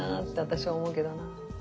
私は思うけどな。